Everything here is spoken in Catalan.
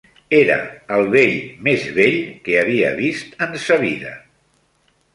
Era el vell més vell que havia vist en sa vida